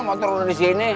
mau turun di sini